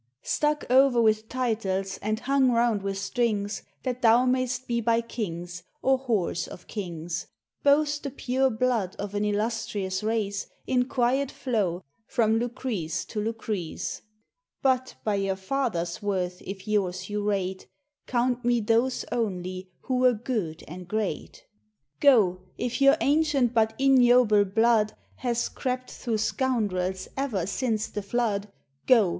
Stuck o'er with titles, and hung round with strings, That thou mayst be by kings, or whores of kings ; Boast the pure blood of an illustrious race, In quiet flow from Lucrece to Lucrece ; But by your fathers' worth if 3^ours you rate, Count me those only who were good and great. Go ! if your ancient but ignoble blood Has crept through scoundrels ever since the flood, Go